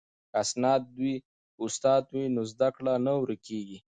که استاد وي نو زده کړه نه ورکیږي.